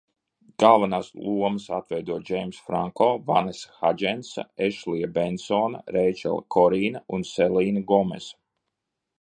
Galvenās lomas atveido Džeimss Franko, Vanesa Hadžensa, Ešlija Bensone, Reičela Korīne un Selīna Gomesa.